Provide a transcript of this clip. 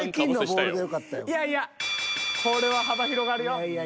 いやいやこれは幅広がるよ。